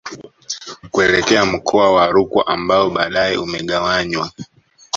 Kuelekea mkoa wa Rukwa ambao baadae umegawanywa